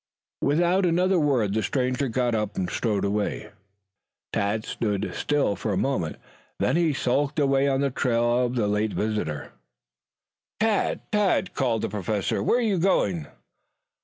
Without another word the stranger got up and strode away. Tad stood irresolute for a moment, then he skulked away on the trail of their late visitor. "Tad, Tad!" called the Professor. "Where are you going?"